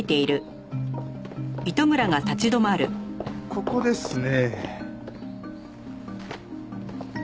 ここですね。